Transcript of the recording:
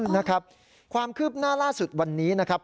นะครับความคืบหน้าล่าสุดวันนี้นะครับ